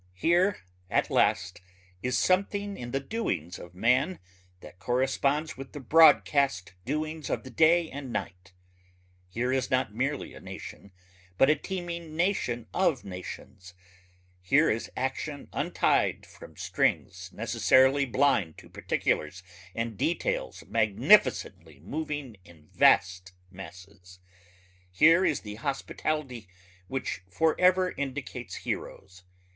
Here at last is something in the doings of man that corresponds with the broadcast doings of the day and night. Here is not merely a nation but a teeming nation of nations. Here is action untied from strings necessarily blind to particulars and details magnificently moving in vast masses. Here is the hospitality which forever indicates heroes....